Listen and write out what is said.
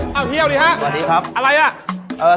เข้าเที่ยวดีครับอะไรน่ะ